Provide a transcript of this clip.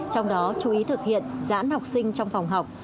trong đó chú ý thực hiện giãn học sinh trong phòng học